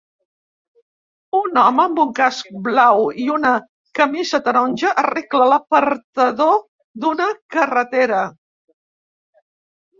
Un home amb un casc blau i una camisa taronja arregla l'apartador d'una carretera